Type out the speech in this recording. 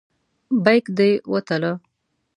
بیک دې وتله.